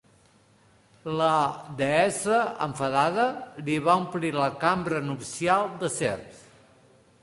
La deessa, enfadada li va omplir la cambra nupcial de serps.